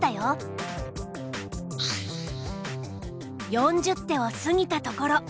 ４０手を過ぎたところ。